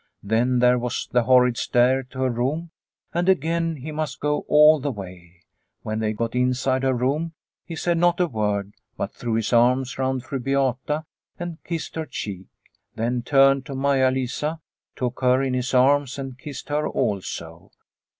Then there was the horrid stair to her room, and again he must go all the way. When they got inside her room, he said not a word, but threw his arms round Fru Beata and kissed her cheek, then turned to Maia Lisa, took her in his arms, and kissed her also.